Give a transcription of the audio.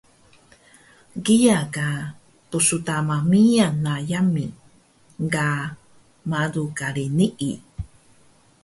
kiya ka pstama miyan na yami ka malu kari nii